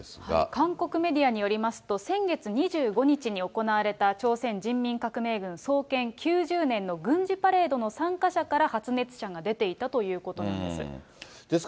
韓国メディアによりますと、先月２５日に行われた朝鮮人民革命軍創建９０年の軍事パレードの参加者から発熱者が出ていたということなんです。